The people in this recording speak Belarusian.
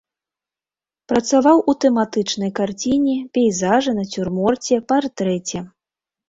Працаваў у тэматычнай карціне, пейзажы, нацюрморце, партрэце.